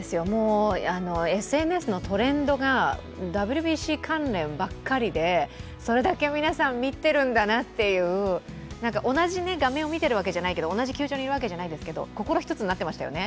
ＳＮＳのトレンドがＷＢＣ関連ばっかりでそれだけ皆さん見ているんだなっていう同じ画面を見ているわけじゃないけど、同じ球場にいるわけじゃないけど、心一つになってましたよね。